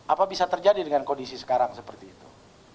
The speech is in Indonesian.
apa bisa terjadi dengan kondisi sekarang seperti itu